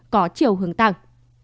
có triệu hướng tăng